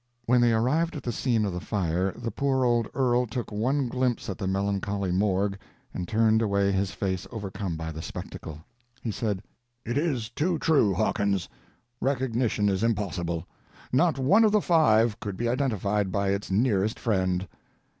When they arrived at the scene of the fire the poor old earl took one glimpse at the melancholy morgue and turned away his face overcome by the spectacle. He said: "It is too true, Hawkins—recognition is impossible, not one of the five could be identified by its nearest friend.